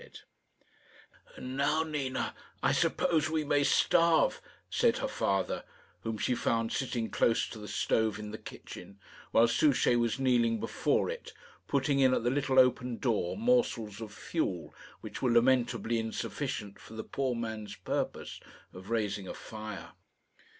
"And now, Nina, I suppose we may starve," said her father, whom she found sitting close to the stove in the kitchen, while Souchey was kneeling before it, putting in at the little open door morsels of fuel which were lamentably insufficient for the poor man's purpose of raising a fire.